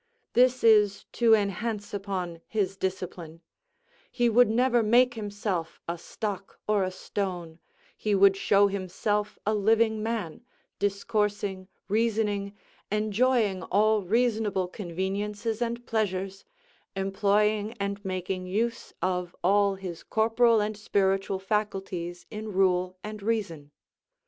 This is to enhance upon his discipline; he would never make himself a stock or a stone, he would show himself a living man, discoursing, reasoning, enjoying all reasonable conveniences and pleasures, employing and making use of all his corporal and spiritual faculties in rule and reason.